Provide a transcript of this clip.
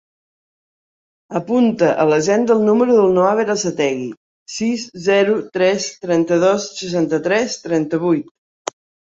Apunta a l'agenda el número del Noah Berasategui: sis, zero, tres, trenta-dos, seixanta-tres, trenta-vuit.